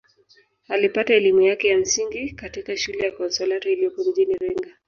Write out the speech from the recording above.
Alipata elimu yake ya msingi katika shule ya Consalata iliyopo mjini Iringa